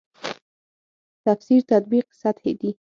تفسیر تطبیق سطحې دي.